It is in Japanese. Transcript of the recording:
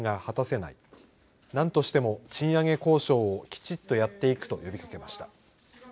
なんとしても賃上げ交渉をきちっとやっていくと呼びかけました。